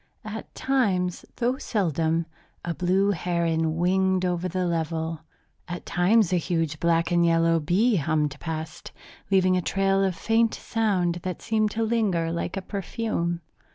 At times, though seldom, a blue heron winged over the level. At times a huge black and yellow bee hummed past, leaving a trail of faint sound that seemed to linger like a perfume.